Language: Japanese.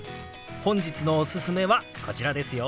本日のおすすめはこちらですよ。